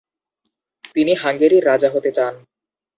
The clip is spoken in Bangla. তিনি হাঙ্গেরির রাজা হতে চান।